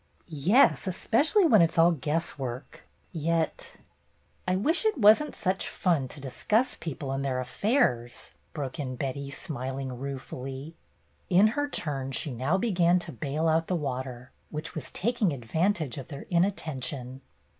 "Yes, especially when it 's all guesswork. Yet—" " I wish it was n't such fun to discuss people 32 BETTY BAIRD'S GOLDEN YEAR and their affairs/' broke in Betty, smiling ruefully. In her turn she now began to bail out the water, which was taking advantage of their inattention.